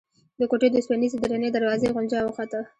د کوټې د اوسپنيزې درنې دروازې غنجا وخته.